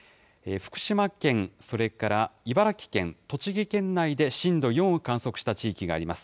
福島県、それから茨城県、栃木県内で震度４を観測した地域があります。